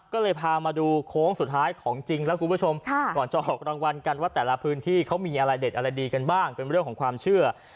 ก็เลยพามาดูโค้งสุดท้ายของจริงแล้วคุณผู้ชมก่อนจะออกรางวัลกันว่าแต่ละพื้นที่เขามีอะไรเด็ดอะไรดีกันบ้างเป็นเรื่องของความเชื่อ